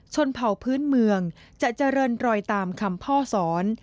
เผ่าพื้นเมืองจะเจริญรอยตามคำพ่อสอน